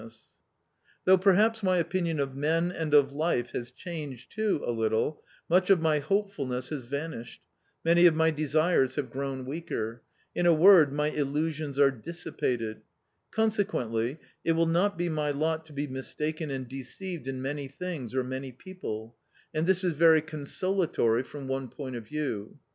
262 A COMMON STORY "Though perhaps my opinion of men and of life has changed, too, a little, much of my hopefulness has vanished, many of my desires have grown weaker ; in a word, my illusions are dissipated ; consequently, it will not be my lot to be mistaken and deceived in many things or many people, and this is very consolatory from one point of view.